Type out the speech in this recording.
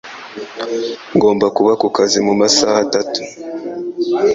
Ngomba kuba ku kazi mu masaha atatu.